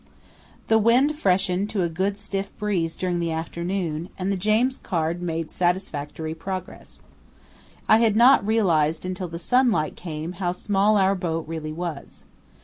The wind freshened to a good stiff breeze during the afternoon, and the James Caird made satisfactory progress. I had not realized until the sunlight came how small our boat really was.